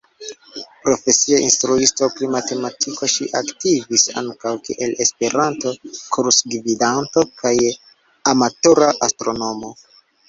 Profesie instruisto pri matematiko, ŝi aktivis ankaŭ kiel Esperanto-kursgvidanto kaj amatora astronomo.